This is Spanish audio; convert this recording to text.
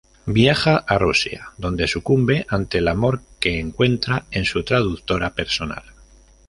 Viaja a Rusia, donde sucumbe ante el amor, que encuentra en su traductora personal.